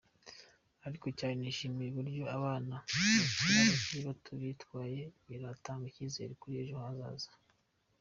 Ariko cyane nishimiye uburyo abana bakiri bato bitwaye, biratanga icyizere kuri ejo hazaza hacu.